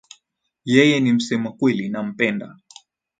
Yeye ni msema kweli nampenda